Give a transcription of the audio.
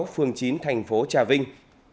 sáu phường chín thành phố trà vinh